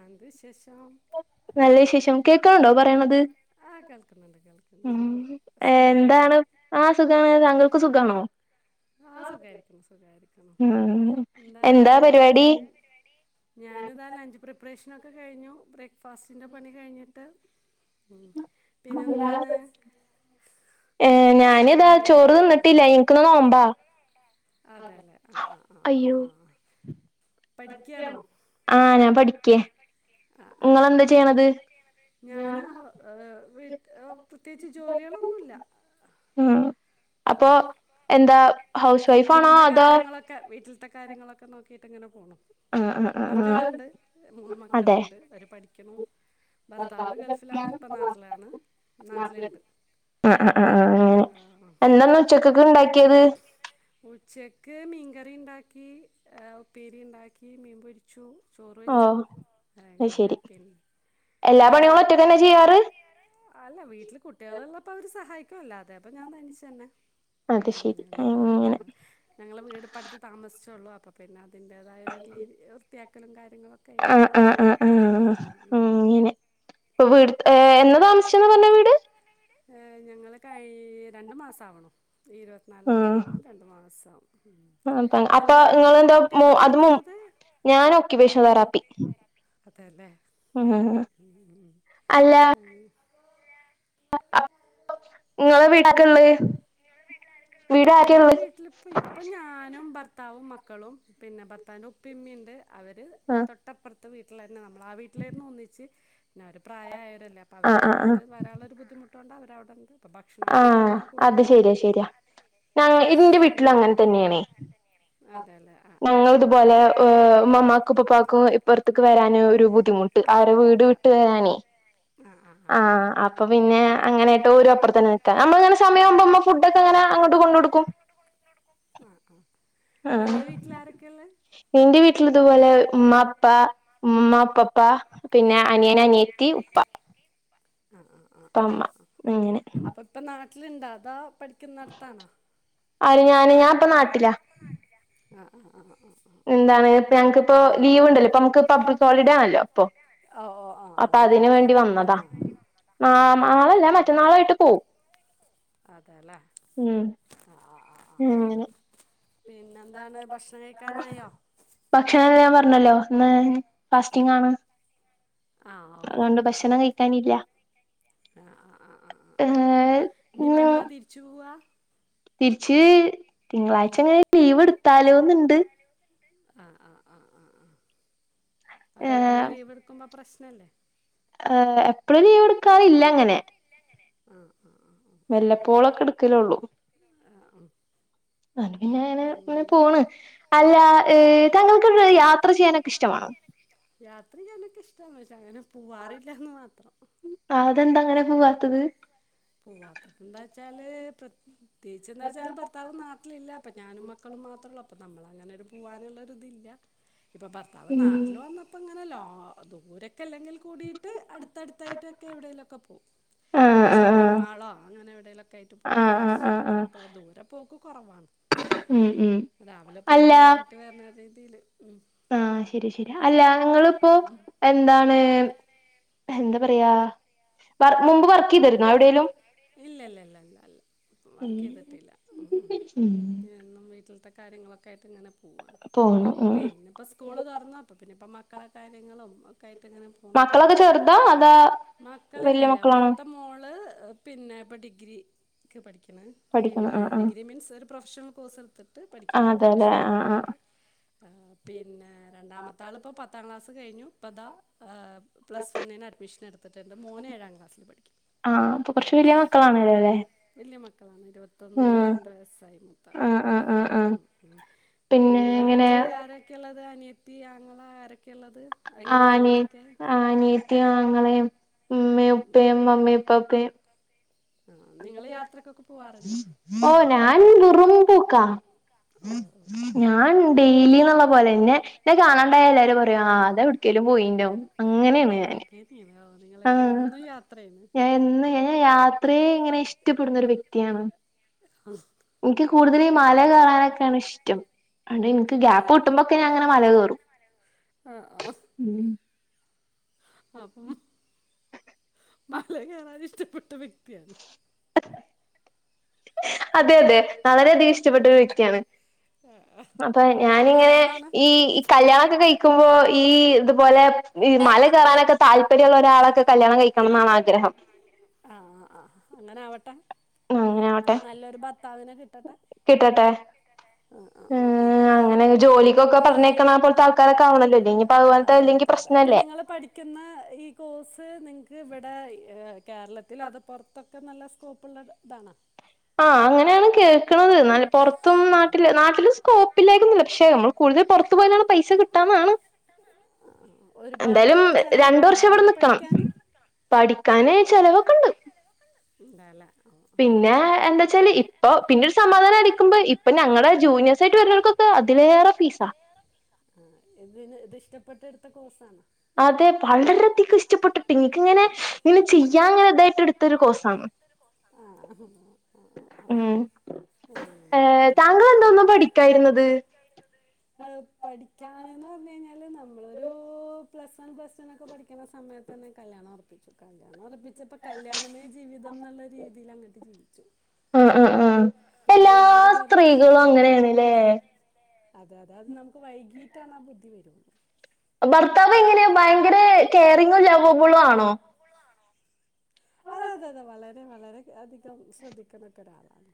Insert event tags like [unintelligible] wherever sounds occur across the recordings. ന്താ വിശേഷം നല്ല വിശേഷം കേക്കനുണ്ടോ പറയണത് ആ കേൾക്കുന്നുണ്ട് ഉ കേൾക്കുന്നുണ്ട് സുഖല്ലേ എന്താണ് ആ സുഖമാണ് താങ്കൾക്ക് സുഖമാണോ ആ സുഖായിരിക്കുന്നു സുഖായിരിക്കുന്നു ഉം എന്താണ് എന്താ പരിപാടി ഞൻ ഞാൻ ഇതാ ലഞ്ച് പ്രിപ്പറേഷന് ഒക്കെ കഴിഞ്ഞു ബ്രേക്ക്ഫാസ്റ്റിൻ്റെ പണി കഴിഞ്ഞിട്ട് പിന്നെെന്താണ് ഏ ഞാന് ഇതാ ചോറ് തിന്നിട്ടില്ല എനിക്കിന്ന് നോമ്പാ അതെ അല്ലെ ആ ആ ആ ആ അയ്യോ ആ പഠിക്കുകയാണോ ആ ഞാൻ പഠിക്കേ ആ ആ നിങ്ങളെന്താ ആ ആ ചെയ്യണത് ഞാൻ വിട്ട പ്രത്യേകിച്ച് ജോലികളൊന്നുമില്ല ഉം അപ്പൊ എന്താ ഹൗസ് വൈഫാനോ വീട്ടിലത്തെ അതോ കാര്യങ്ങളൊക്കെ വീട്ടിലത്തെ കാര്യങ്ങളൊക്കെ നോക്കിയിട്ട്ങ്ങനെ പോണം ആ ആ ആ ആ മക്കളുണ്ട് മൂന്ന് അതെ മക്കളുണ്ട് അവര് പഠിക്കുന്നു ഭർത്താവ് ഗള്ഫിലാണ് ഇപ്പം നാട്ടിലാണ് നാട്ടിലുണ്ട് ആ ആ ആ ആ ആഹ് അങ്ങനെ എന്താന്ന് ഉച്ചക്കൊക്കെ ഉണ്ടാക്കിയത് ഇന് മീൻകറി ഉണ്ടാക്കി ഉപ്പേരി ഉണ്ടാക്കി മീൻപൊരിച്ചു ചോറ് ഓ വെച്ചു അത് ആങ്ങനെ ശെരി പിന്നെ എല്ലാ പണികളും പിന്ന ഒറ്റക്കന്നെ ചെയ്യാറ് അല്ല വീട്ടില് കുട്ടികളുള്ളപ്പോ അവര് സഹായിക്കും ക്കല്ല അതെ അപ്പൊ ഞാൻ തനിച്ചു തന്നെ അത് ഉ ശെരി അങ്ങനെ ഞങ്ങള് വീട് അടുത്ത് താമസിച്ചോള്ളൂ അപ്പ പിന്നെ അതിന്റേതായ ഒരു ക്ലീൻ വൃത്തിയാക്കലും കാര്യ ആ ആ ആ ആ ആങ്ങനെ അപ്പ വീട് എന്ന താമസിച്ചന്ന് പറഞ്ഞ വീട് ഞങ്ങൾ കഴ് രണ്ടു മാസം ആവന്നു ഇരുപത്തിനാലാം തീയതി ആഹ് വന്നാൽ രണ്ട മാസവും ഉ അപ്പ അപ്പൊ എന്താ പഠിക്കണ നിങ്ങളെന്താ കുട്ടി എന്താ അത് പഠിക്കണത് ഞാൻ ഓക്യുപേഷൻ തെറാപ്പി അതല്ലേ ആഹ് അല്ല നിങ്ങളെ വീടൊക്കെ എന്താണ് എന്ന് ഞങ്ങളെ വീട്ടിലിപ്പ ഇപ്പൊ ഞാനും ഭർത്താവും മക്കളും പിന്നെ ഭർത്താവിൻ്റെ ഉപ്പിമ്മി ഉണ്ട് അവർ ആ ആഹ് തൊട്ടപ്പുറത്ത് വീട്ടിൽ തന്നെ നമ്മൾ ആ വീട്ടിലായിരുന്നു ഒന്നിച്ച് പിന്നെ അവരു പ്രായായവരല്ലേ അപ്പോൾ ആഹ് അവർക്ക് ആഹ് ആഹ് ഇങ്ങട്ട് വാരാനുള്ളൊരു ബുദ്ധിമുട്ടൊണ്ട് അവരവിട്ണ്ട് ആ അത് ശരിയാ ശരിയാ ഞാ ന്റെ വീട്ടിൽ അങ്ങനെ തന്നെയാണേ അതെല്ലേ ആഹ് ആഹ് ഞങ്ങൾ ആഹ് ഇതുപോലെ ഉമ്മാക്കും ഉപ്പപ്പാക്കും ഇപ്പുറത്തേക്ക് വരാന ഒരു ബുദ്ധിമുട്ട് അവരെ വീട് വിട്ട് വരാനേയ് ആഹ് ആഹ് ആ ആഹ് ആഹ് അപ്പൊ പിന്നെ അങ്ങനെയായിട്ട് ഒരു അപ്പുറത്തന്നെ നിക്കാ നമ്മളിങ്ങനെ സമയാവുമ്പോ ഇമ്മ ഫുഡ്ക്കെ അങ്ങനെ അങ്ങോട്ട് കൊണ്ടോടുക്കും ഉം ഉം നിങ്ങളെ വീട്ടിൽ ആരൊക്കെ ഇന്റെ വീട്ടില് ഇതുപോലെ ഉമ്മ പ്പ ഉമ്മുമാപ്പപ്പാ പിന്നെ അനിയൻ അനിയത്തി ഉപ്പ ആ ആ ഉപ്പ ആ ആ ഉമ്മ അങ്ങനെ അപ്പൊ ഇപ്പൊ നാട്ടില്ണ്ടാ അതോ ആര് ഞാന് ഞാൻ ഇപ്പ നാട്ടിലാ. ആ ആ ആ ആ ആ. എന്താണ് ഞങ്ങക്കിപ്പോ ആണ് ലീവ് പി- ഉണ്ടല്ലോ ഇപ്പൊ നമുക്ക് പബ്ലിക് ഹോളിഡേ ആണല്ലോ ഇപ്പൊ ഓ ഓ ആ ആ അപ്പൊ അതിന് വേണ്ടി ഇരുപത്താറാം വന്നതാ തീയതി നാ ആ ആ ആ നാളല്ലാ മറ്റന്നാളായിട്ട് പോവും. അതേല്ലേ ഉം ആ ആ ആ ആ അങ്ങനെ പിന്നെന്താണ് ഭക്ഷണം കഴിക്കാനായോ ഭക്ഷണം [unintelligible] ണ്ടല്ലോ ഇന്ന് ഫാസ്റ്റിംഗാണ്. ആ ഓക്കെ അതോണ്ട് ഓക്കെ ഭക്ഷണം ഓക്കെ കഴിക്കാനില്ല. ആ ആ ആ ആ ആ ആ ഏഹ് ഇനിയിപ്പ ഇന്ന് എന്നാ തിരിച്ചു പൂവാ. തിരിച്ച് തിങ്കളാഴ്ച വരെ ലീവ് എടുത്താലോന്ന്ണ്ട്. ആ ആ ആ ആ ആ അപ്പൊ എപ്പോഴും ലീവ് എടുക്കുമ്പോ പ്രശ്നല്ലേ? ഏ എപ്പോഴും ലീവെടുക്കാറില്ല അങ്ങനെ. ആ ആ ആ വെല്ലപ്പോളൊക്കെ എടുക്കലൊള്ളൂ. ആ ആ ഉം. അതോണ്ട് പിന്നെ അങ്ങനെ പോണ് അല്ല ഏ താങ്കൾക്ക് യാത്ര ചെയ്യാനൊക്കെ ഇഷ്ടമാണോ? യാത്ര ചെയ്യാനൊക്കെ ഇഷ്ട്ടാണ് പക്ഷേ അങ്ങനെ പോവാറില്ലാന്ന് മാത്രം പുവാത്തത് പുവാത്തത് എന്താ വെച്ചാല് പ്രത്യേകിച്ച് എന്താ വച്ചാല് ഭർത്താവ് നാട്ടിലില്ല അപ്പൊ ഞാനും മക്കളും മാത്രോള്ളപ്പൊ നമ്മള് അങ്ങനൊരു പുവാനുള്ളൊരിതില്ല ഇപ്പോ ഭർത്താവ് ഉം നാട്ടിൽ വന്നപ്പോൾ ഇങ്ങനെ ലോ ദൂരെ അല്ലെങ്കിൽ കൂടിട്ട് അടുത്തടുത്തായിട്ടൊക്കെ എവിടെലൊക്കെ പോകും ആഹ് ആഹ് വല്ലഷോപ്പി പ്പിങ്ങ് മാളോ അങ്ങനെ എവിടലൊക്കെ ആയിട്ട് പോകും. ആഹ് ആഹ് ആഹ് ആഹ് ആഹ് അല്ലാതെ ദൂരെ പോക്ക് കുറവാണ്. ഉം ഉം രാവിലെ പോയിട്ട് വൈകീട്ട് വരണ രീതിയില് ഉം ആ ശരി ശരി അല്ല നിങ്ങിളിപ്പോ എന്താണ് എന്താ പറയാ വർ മുമ്പ് വർക്ക് ചെയ്തിരുന്നോ എവിടേലും ഇല്ല ഇല്ല ഇല്ല ഇല്ല അല്ല വർക്ക് ചെയ്തിട്ടില്ല ഉം ഉം എന്നും വീട്ടിൽത്തെ കാര്യങ്ങളൊക്കെ ആയിട്ട് ഇങ്ങനെ പുവാണ്. പോണം ഉം പിന്നെ ഇപ്പോൾ സ്കൂള് തുറന്നപ്പോ പിന്നെ മക്കള കാര്യങ്ങളും യിട്ട് ഇങ്ങനെ പോണു. മക്കളൊക്കെ ചെറുതാ അതാ വല്യ മക്കളില്ലല്ല മക്കളാണോ മൂത്ത മോള് പിന്നെ ഇപ്പോൾ ഡിഗ്രിക്ക് പഠിക്കണ് പഠിക്കണ പിന്നെ ആഹ് ആഹ് ഡിഗ്രി മീൻസ് ഒരു പ്രൊഫഷണൽ കോഴ്സ് എടുത്തിട്ട് പഠിക്കണണ്ട് ആഹ് അതെല്ലേ ഒക്യുപേഷൻ ആഹ് ആഹ് തെറാപ്പി പിന്നെ രണ്ടാമത്തെ ആളിപ്പോ പത്താം ക്ലാസ് കഴിഞ്ഞു ഇപ്പതാ പ്ലസ് വണ്ണിന് അഡ്മിഷൻ എടുത്തിട്ട്ണ്ട്. മോന് ഏഴാം ക്ലാസ്സില് പഠിക്കും. മക്കളാണലെലേ ഇരുപത്തൊന്നിരുപത്തിരണ്ട് വയസ്സായി മൂത്ത ആൾക്ക്. ആഹ് ആഹ് ആഹ് ആഹ് ഉം ഉം പിന്നെ ഇങ്ങളെ ഇങ്ങനെ വീട്ടില് ആരൊക്കെള്ളത് അനിയത്തി ആങ്ങള ആരൊക്കെ ആ നി അനിയത്തീം ആങ്ങളേം മ്മയും ഉപ്പേയും ഉമ്മേയു ഇപ്പപ്പേയും. ആ നിങ്ങൾ യാത്രക്കൊക്കെ പോവാറുണ്ടോ ഓ ഞാൻ വെറും പൂക്കാ ഓ ഓ. ഞാൻ ഡെയ്ലീന്ന്ള്ള പോലെ ന്നെ ന്നെ കാണാണ്ടായ എല്ലാരും പറയും ആ അതെവ്ട്ക്കേലും പോയീണ്ടാവും ഓ [unintelligible] ആ എന്നും യാത്രയാണ് ഞാൻ എന്ന് യാത്രയെ ഇങ്ങനെ ഇഷ്ട്ടപ്പെടുന്നൊരു വ്യക്തിയാണ്. [unintelligible] കൂടുതല് ഈ മല കയറാനൊക്കെണ് ഇഷ്റ്റം ഓണ്ട് ഇന്ക്ക് ഗ്യാപ്പ് കിട്ടുമ്പോക്കെ ഞായിങ്ങനെ മലകേറും. ആ ആ ആ അപ്പം മലകേറാൻ ഇഷ്ട്ടപ്പെട്ട വ്യക്ത്യാണ്. അതെ അതെ വളരേധികം ഇഷ്ട്ടപ്പെട്ട വ്യക്ത്യാണ്. അപ്പ ഞാനിങ്ങനെ നല്ലതാണ് ഈ കല്യാണൊക്കെ കഴിക്കുമ്പോ ഈ ത് അതുപോലെ ഈ മല കേറാനൊക്കെ താല്പര്യള്ള ഒരാളൊക്കെ കല്യാണം കഴിക്കണന്നാണാഗ്രഹം. ആ ആ. അങ്ങനാവട്ടെ അങ്ങനെ ആവട്ടെ നല്ലൊരു ഭത്താവിനെ കി കിട്ടട്ടെ ഏഹ് കണക്കാവണല്ലൊൽ അതെ അതെ അതെ അപ്പ നിങ്ങള് പഠിക്ക്‌ന്ന ഈ കോഴ്സ് നിങ്‌ക്ക് വടെ കേരളത്തിൽ അത് പൊർത്തൊക്കെ നല്ല സ്കോപ്പുള്ളതാണാ ആ അങ്ങനേണ് കേക്ക്‌ണത്. നല്ല പൊർത്തും നാട്ടില് നാട്ടില് സ്കോപ്പില്ലായിട്ടൊന്നുല്ല പക്ഷെ നമ്മള് കൂടുതൽ പൊർത്ത് പോയാലാണ് പൈസ കിട്ടാനാണ്. ആ ഒര്പാട് രണ്ട് ചെലവൊക്കെണ്ടാ വർഷം ഇവിടെ ഇത് നിക്കണം പഠിക്കാന് പഠിക്കാന് ചെലവൊക്കെണ്ട് ണ്ടാലെ പിന്നെ എന്താച്ചാല് ഇപ്പൊ പിന്നെര് സമാധാനാരിക്കും ക്കുമ്പ ഇപ്പ ഞങ്ങടെ ജൂനിയേഴസായിറ്റ് വര്നോൽക്കൊക്കെ അതിലേറെ ഫീസാ ഇപ്പോഴത്തെടുത്ത കോഴ്സ്സാണ്. അതെ വളരെയധികം ഇഷ്ടപ്പെട്ടിട്ട് ഇൻക്ക്ങ്ങനെ ഇങ്ങനെ ചെയ്യാങ്ങനെ ഇതായിട്ട് എട്ത്തെര് കോഴ്സാണ്. ആ ആ, ആ, ആ. മ് ഉം, ഏ ഉം. താങ്കൾ എന്താ ഒന്നും പഠിക്കാര്ന്നത് പഠിക്കാന് ന്ന് പറഞ് കഴിഞ്ഞാല് നമ്മളൊരു പ്ലസ് വൺ പ്ലറ്റൂ നൊക്കെ പഠിക്ക്‌ന്ന സമയത്തെന്നെ കല്യാണൊർപ്പിച്ചു കല്യാണൊർപ്പി ച്ചപ്പോ കല്യാണമേ ജീവിതം ന്ന്ള്ള രീതീലങ്ങട്ട് ജീവിച്ചു. പിന്നെ എന്റതും സ്ത്രീകളുങ്ങനേണ്ലെ അതെ അതെ നമുക്ക് വൈകീറ്റാണാ ബുദ്ധിവരോള്ളു. ഭർത്താവ് എങ്ങനെ ഭയങ്കര കെയറിങ്ങും ലൗവബ്ളു ആണോ അതെ അതെ അതെ വളരെ വളരെ അധികം ശ്രദ്ധിക്ക്‌ന്നെക്കൊരാളാണ്.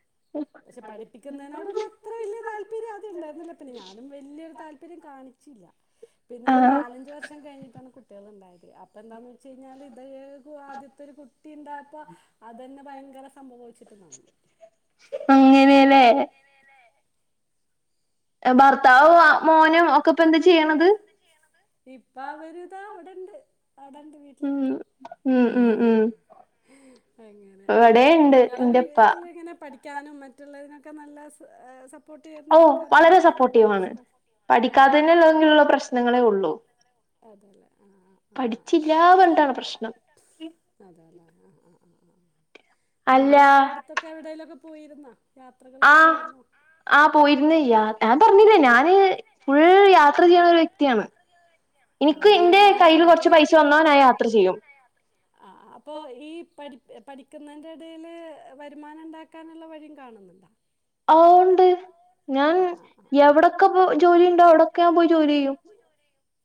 പക്ഷെ പഠിപ്പിക്കുന്നതിനോടൊന്നും അത്ര വല്ല്യേ താല്പര്യം ആദ്യണ്ടായിര്ന്നില്ല. പിന്നെ ഞാനും വല്ല്യോരു താൽ പ്പര്യം കാണിച്ചില്ല. പിന്നെ ഒര് ആഹ് നാലഞ്ചു വർഷം കൈഞ്ഞ്ട്ടാണ് കുട്ട കുട്ട്യാള്ണ്ടായത്. അപ്പെന്താന്ന് വെച്ച് കഴിഞ്ഞാൽ ഇതേതു ആദ്യത്തെര് കുട്ട് കുട്ടിണ്ടായപ്പോ അതന്നെ ഭയങ്കര സംഭവേച്ച്ട്ട് നിന്നു. അങ്ങനേലേ ഭർത്താവു അ മോനും ഒക്കെപ്പെന്താ ചെയ്യണത് ഇപ്പ അവര് താ വടെണ്ട് അവടെണ്ട് വീട്ട്ല്ണ്ട്. മ് മ് മ് അങ്ങനെ വടേണ്ട് ന്റപ്പാ ക്കാനും മറ്റുള്ളതിനെക്ക നല്ല സപ് ഓ വളരെ സപ്പോട്ടീവാണ്. പഠിക്കാതേന് ല്ലെങ്കില്ള്ള പ്രശ്നങ്ങളേ ഒള്ളൂ. അതെലെ ആ ആ പഠിച്ചില്ലാ പറഞ്ഞിട്ടാണ് പ്രശ്നം അതെലെ ആ ആ അല്ല നിങ്ങള് ഇപ്പ അടുത്തൊക്കെ എവടേലൊക്കെ പോയിര്ന്നോ ത്രകള് പോയിര്ന്നു. ആഹ് പോയിര്ന്ന്. ഞാൻ പർഞ്ഞീലെ ഞാന് ഫുൾ യാത്ര ചെയ്യണ ഒരുവ്യക്തി [unintelligible] ണ്. ആ എനിക്ക്, മല എന്റെ കയ്യിയില് കയറാനാണോ കുറച്ച് പൈസ പോയത് വന്നാൻ, ഞാൻ യാത്ര ചെയ്യും. പഠിക്കുന്നേൻന്റെ എടേല്, വരുമാനം ഉണ്ടാക്കാനുള്ള വഴിയും കാണുന്നുണ്ടോ? ഒ ഒണ്ട് ഞാൻ ആ ആ ആ ആ എവിടൊക്കെ പോ ജോലി ഉണ്ടോ എവിടൊക്കെ ഞാൻ പോയി ജോലി ചെയ്യും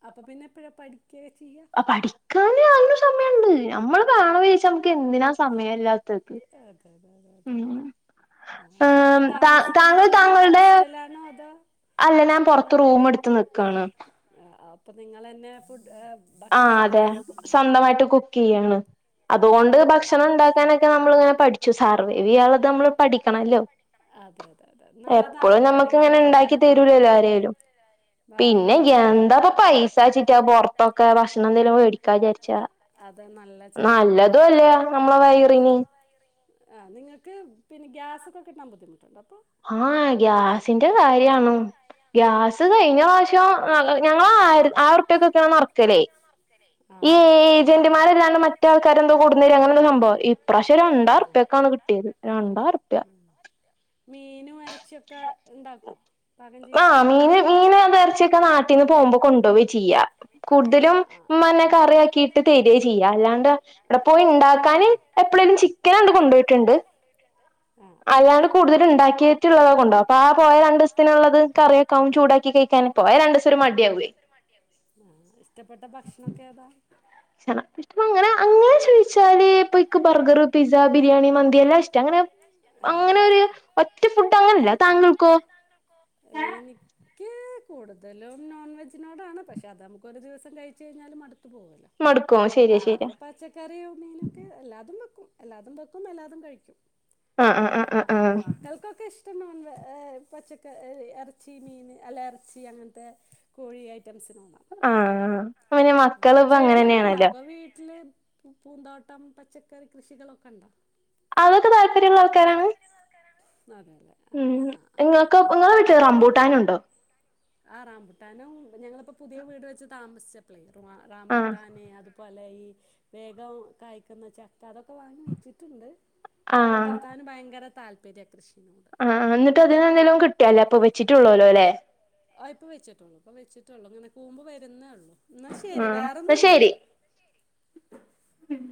അപ്പൊ പിന്നെപ്പോഴ പഠിക്ക ആ പഠിക്കാന് അ സമയുണ്ട് നമ്മള് വേണ വിഴച്ച നമ്മുക്ക് എന്തിനാ സമയം എല്ലാ അതെയതെ, തെ, തെ. അത്പ്പൊ താമസിക്കുന്നത് താങ്കൾ എങ്ങനെ? താങ്കളുടെ ഹോസ്റ്റലാണോ അതോ അല്ല. ഞാൻ പൊറത്ത് റൂമ്ട്ത്ത് നിക്കാണ്. അപ്പൊ നിങ്ങൾ തന്നെ ഫുഡ്? ആ ഭക്ഷണമൊക്കെ അതെ. ഉണ്ടാക്കുന്നുണ്ടോ സ്വന്തമായിട്ട് കുക്കെയ്യാണ്. ആ അതുകൊണ്ട് ആ ഭക്ഷണം ആ ഉണ്ടാക്കാനൊക്കെ നമ്മൾ ങ്ങനെ പഠിച്ചു. സർവൈവ് ചെയ്യാൻള്ളത് നമ്മൾ പഠിക്കണല്ലോ? അതെ, അതെ, അതെ, നല്ലതാണ്. എപ്പോഴും നമുക്ക് ഭാവിൽ ഇങ്ങനെ ഉണ്ടാക്കി ഉപകാരപ്പെടും. തരൂലല്ലോ ആരേലും ഭാവിയിൽ പിന്നെ, ഉപകാരപ്പെടും എന്താപ്പൊ അത് പൈസാച്ചിട്ടാ പോറൊത്തൊക്കെ? ഭക്ഷണം എന്തെങ്കിലും വേടിക്കാ വിചാരിച്ചാ അത് നല്ല ചിലവാണല്ലോ നല്ലതും അല്ല, അപ്പോൾ നമ്മളെ വയറിന്. ആ. നിങ്ങൾക്ക് പിന്നെ ഗ്യാസൊക്കെ കിട്ടാൻ ബുദ്ധിമുട്ട്ണ്ടോ പ്പൊ? ആ. ഗാസിന്റെ കാര്യമാണ് ഗ്യാസ് ആ കഴിഞ്ഞപ്രാവിശ്യം, ഞങ്ങൾ ആയിരം ഉർപ്പേക്കൊക്കെണ് നറക്കലേയ്. ആ ഈ ആ ആ, ആ, ആ. ഏജന്റ്മാരെല്ലാണ്ടേ, മറ്റാൾക്കാരെന്തോ കൊടുന്നേര, അങ്ങനെ ന്തോ സംഭവം, ഇപ്രശം രണ്ടായിരം റുപ്പീയക് കിട്ടിയത്. രണ്ടായിരം റുപ്പീയ. മീനും, ഇറച്ചൊക്കെ ഉണ്ടാ, പാകം ചെയ്യാറുണ്ടോ? വീട്ടിന്നു പോകുമ്പോ കൊണ്ടുപോവാ ചെയ്യാ. ആ കൂടുതലും ആ ആ ഉമ്മന്നെ ആ കറിയാക്കിയിട്ട് തെരെ ചെയ്യ. അല്ലാണ്ട് അവിടെ പോയി ഉണ്ടാക്കാന്, എപ്പളേലും ചിക്കനാണ്ട് കൊണ്ടോയിട്ട്ണ്ട്. ആ ആ ആ ആ ഉണ്ടാക്കിയിട്ടുള്ളതാ കൊണ്ടോവാ അപ്പൊ ആ പോയ രണ്ട് ദിവസത്തിനുള്ളത് കറിയൊക്കാവും ചൂടാക്കി കഴിക്കാൻ പോയ രണ്ട് ദിവസം ഒരു മടിയാവുവേ [unintelligible] ഇഷ്ടപ്പെട്ട ഭക്ഷണൊക്കെ ഏതാ? ഇഷ്ടല്ല. [unintelligible] അങ്ങനെ അങ്ങനെ ചോദിച്ചാ [unintelligible] ഇപ്പൊ ക്ക് ബർഗർ, പിസ്സ, ബിരിയാണി, മന്തി എല്ലാം ഇഷ്ടാ. അങ്ങനെ എല്ലാം അങ്ങനെരു ഇഷ്ടം ഒറ്റ ഫുഡ് അങ്ങനെ ഇല്ല്യ. താങ്കൾക്കോ? ഏയ്. നിക്ക് കൂടുതലും നോൺവെജിനോടാണ്. പക്ഷെ, അത് നമുക്ക് ഒരു ദിവസം കഴിച്ച കഴിഞ്ഞാലും മടു [unintelligible] മടുക്കോ ആ. ശരിയാ ശരിയാ അപ്പൊ പച്ചക്കറിയോ? മീനോ? എല്ലാതും വെക്കും. എല്ലാതും വെക്കും, എല്ലാതും കഴിക്കും. ആ ആ ആ ആ ആ. മ- മക്കൾക്കൊക്കെ ഇഷ്ടം നോൺ വെ പച്ചക്കറി, ഇറച്ചി, മീൻ, അല്ല ഇറച്ചി അങ്ങനത്തെ കോഴി ഐറ്റംസിനോ? ആ ആ. പ്പൊ പിന്നെ മക്കൾ ഇപ്പ ചെടിയൊക്കെ അങ്ങനെന്നെയാണല്ലോ!. ഉണ്ടാക്കുമോ വീട്ടിൽ പൂന്തോട്ടം, പച്ചക്കറി, കൃഷികളൊക്കെ ഉണ്ടോ? അതൊക്കെ താല്പര്യള്ള ആൾക്കാരാണ്? അതെ അല്ലേ ആ ഉം. ആ ആ ആ ഇങ്ങൾക്ക്, ഇങ്ങളെ വീട്ടി റംബൂട്ടാനുണ്ടോ? ആ റാംമ്പുട്ടാനും, ഞങ്ങളിപ്പോ പുതിയ വീട് വെച്ച് താമസിച്ചപ്പൊല്ലേ. ! ആ ആഹ് റാംമ്പുട്ടാനെ, അത് [unintelligible] അല്ല. ഈ വേഗം കഴ്ക്കുന്ന ചക്ക, അതൊക്കെ വാങ്ങി വച്ചിട്ടുണ്ട്. ഒക്കെ ഭർത്താവിന് ഭയങ്കര താല്പര്യ. കൃഷിനോട് ആ ആ. ന്നിട്ട് അതിന്ന് ന്തേലും കിട്ടോ? ഇപ്പൊ വെച്ചിട്ടൊള്ളൊലോ ല്ലേ? ആ ഇപ്പ വെച്ചിട്ടുള്ളൂ, ഇപ്പൊ വെച്ചിട്ടുള്ളു. ഇങ്ങനെ കൂമ്പ് വരുന്നേ ഉള്ളൂ. ന്നാ ശെരി. ആഹ് വേറൊന്നുല്ലല്ലോ? ഉം.